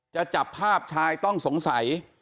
จะจับภาพชายต้องสงสัย